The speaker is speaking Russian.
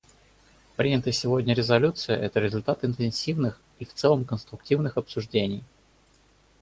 Принятая сегодня резолюция — это результат интенсивных и в целом конструктивных обсуждений.